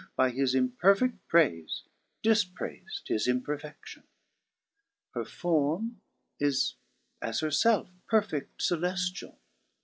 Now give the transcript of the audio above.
By his imperfedt praife difprais'd his imperfedtion. 9 " Her forme is as her felfe, perfeft coeleftriall.